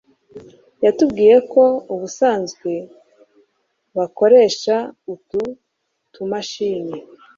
yatubwiye ko ubusanzwe bakoresha utu tumashini,